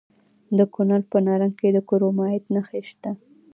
د کونړ په نرنګ کې د کرومایټ نښې شته.